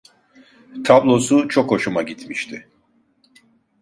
Tablosu çok hoşuma gitmişti…